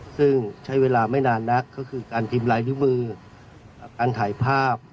ซึ่งใช้เวลาไม่นานนักก็คือการพิมพ์ลายนิ้วมือการถ่ายภาพ